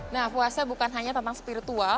nah puasa bukan hanya tentang spiritual